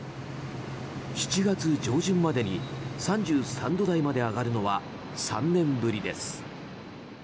７月上旬までに３３度台まで上がるのは３年ぶりです。